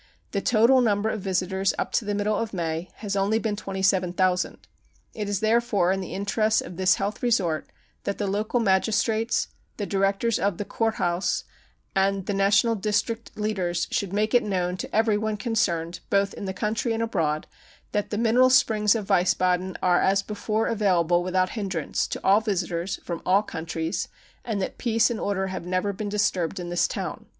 The total number of visitors up to the middle of May has only been 27,000. It is therefore in the interests of this health resort that the local magistrates, the directors of the Kurhaus, and the National district leaders should make it known to everyone concerned bqth in the country and abroad that the mineral springs of Wies baden are as before available without hindrance to all visitors from all countries, and that peace and order have never been disturbed in this town.